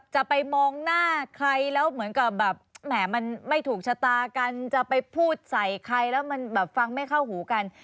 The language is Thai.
จะไปมองหน้าใครแล้วเหมือนกับแบบแหมมันไม่ถูกชะตากันจะไปพูดใส่ใครแล้วมันแบบฟังไม่เข้าหูกัน